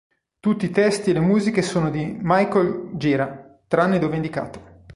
Tutti i testi e le musiche sono di Michael Gira, tranne dove indicato.